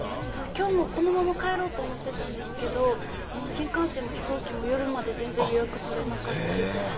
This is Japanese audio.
きょうもこのまま帰ろうと思ってたんですけれども、新幹線も飛行機も夜まで全然予約取れなかったんで。